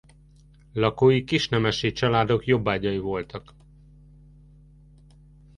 Lakói kisnemesi családok jobbágyai voltak.